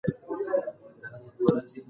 تا ولې خپله ډوډۍ په سمه توګه ونه خوړه؟